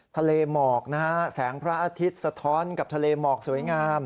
ทะเลหมอกนะฮะแสงพระอาทิตย์สะท้อนกับทะเลหมอกสวยงาม